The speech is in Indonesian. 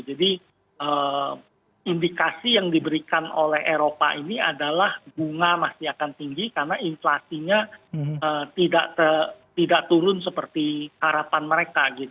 jadi indikasi yang diberikan oleh eropa ini adalah bunga masih akan tinggi karena inflasinya tidak turun seperti harapan mereka gitu